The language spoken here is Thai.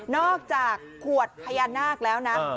อกจากขวดพญานาคแล้วนะ